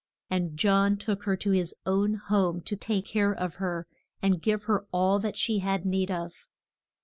And John took her to his own home to take care of her and give her all that she had need of.